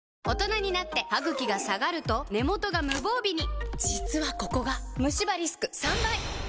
大人になってハグキが下がると根元が無防備に実はここがムシ歯リスク３倍！